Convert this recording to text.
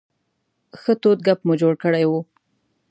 ښه تود ګپ مو جوړ کړی و.